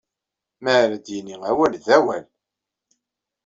Mi ara d-yini awal, d awal!